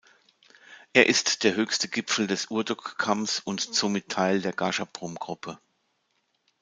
Er ist der höchste Gipfel des Urdok-Kamms und somit Teil der Gasherbrum-Gruppe.